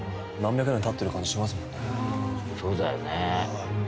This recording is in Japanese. そうだよね。